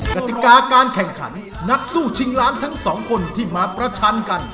กติกาการแข่งขันนักสู้ชิงล้านทั้งสองคนที่มาประชันกัน